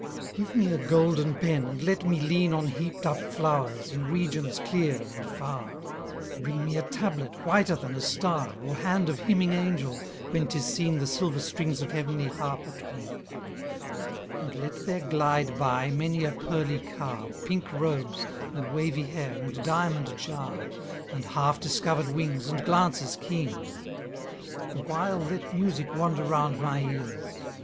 _ Give me a golden pen, and let me lean On heap'd up flowers, in regions clear, and far; Bring me a tablet whiter than a star, Or hand of hymning angel, when 'tis seen The silver strings of heavenly harp atween: And let there glide by many a pearly car, Pink robes, and wavy hair, and diamond jar, And half discovered wings, and glances keen. The while let music wander round my ears.